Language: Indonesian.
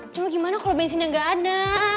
cuma gimana kalau bensinnya nggak ada